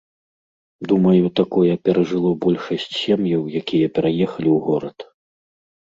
Думаю, такое перажыло большасць сем'яў, якія пераехалі ў горад.